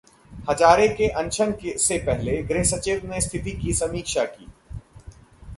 हजारे के अनशन से पहले गृह सचिव ने स्थिति की समीक्षा की